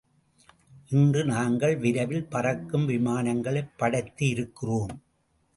இன்று நாங்கள் விரைவில் பறக்கும் விமானங்களைப் படைத்து இருக்கிறோம்.